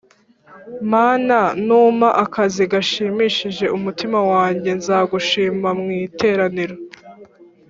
Mana numpa akazi gashimishije umutima wanjye nzagushima mwiteraniro